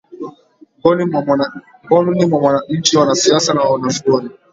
ngoni mwa mwananchi wanasiasa na wanazuoni